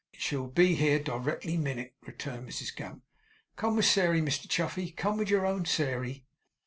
'She'll be here directly minit,' returned Mrs Gamp. 'Come with Sairey, Mr Chuffey. Come with your own Sairey!